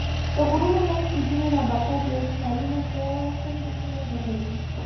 د غرونو منځ کې ځینې نباتات د یخچالونو په څنډو کې وده کوي.